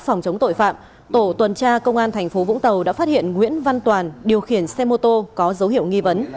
phòng chống tội phạm tổ tuần tra công an thành phố vũng tàu đã phát hiện nguyễn văn toàn điều khiển xe mô tô có dấu hiệu nghi vấn